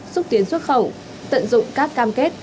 xúc tiến xuất khẩu tận dụng các cam kết